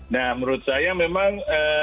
nah menurut saya memang